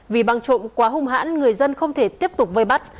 vì băng trộm quá hung hãn người dân không thể tiếp tục vây bắt